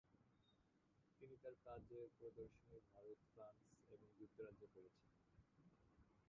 তিনি তাঁর কাজের প্রদর্শনী ভারত, ফ্রান্স এবং যুক্তরাজ্যে করেছেন।